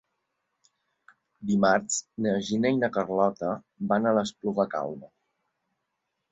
Dimarts na Gina i na Carlota van a l'Espluga Calba.